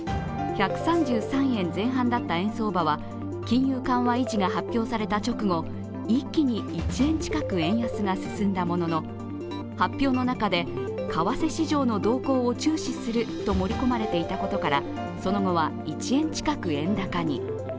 １３３円前半だった円相場は金融緩和維持が発表された直後一気に１円近く円安が進んだものの発表の中で、為替市場の動向を注視すると盛り込まれていたことからその後は１円近く円高に。